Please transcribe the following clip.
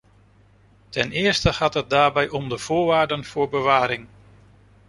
Ten eerste gaat het daarbij om de voorwaarden voor bewaring.